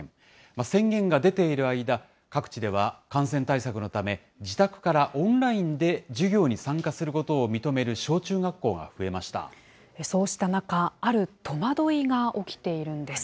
宣言が出ている間、各地では感染対策のため、自宅からオンラインで授業に参加することを認める小中学校が増えそうした中、ある戸惑いが起きているんです。